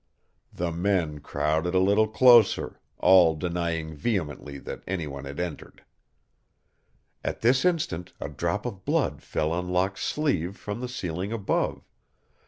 The men crowded a little closer, all denying vehemently that any one had entered. At this instant a drop of blood fell on Locke's sleeve from the ceiling above.